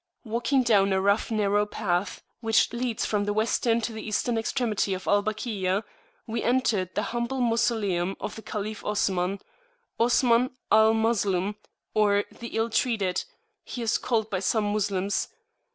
Walking down a rough narrow path, which leads from the western to the eastern extremity of Al Bakia, we entered the humble mausoleum of the Caliph OsmanOsman Al Mazlum, or the ill treated, he is called by some Moslems.